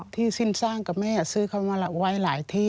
ที่สิ้นสร้างกับแม่ซื้อเขามาไว้หลายที่